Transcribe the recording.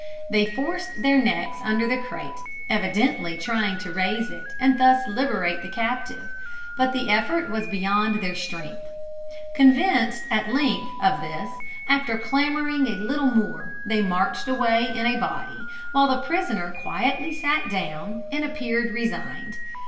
They forced their necks under the crate, evidently trying to raise it, and thus liberate the captive; but the effort was beyond their strength. Convinced, at length, of this, after clamouring a little more they marched away in a body, while the prisoner quietly sat down and appeared resigned.